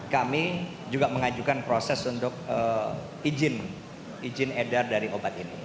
kami juga mengajukan proses untuk izin edar dari obat ini